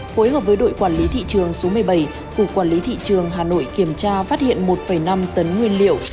phối hợp với đội quản lý thị trường số một mươi bảy cục quản lý thị trường hà nội kiểm tra phát hiện một năm tấn nguyên liệu